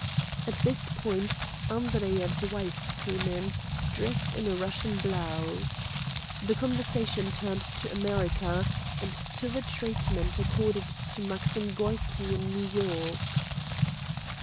At this point Andreyev's wife came in, dressed in a Eussian blouse. The conversa tion turned to America, and to the treatment ac corded to Maxim Gorky in New York.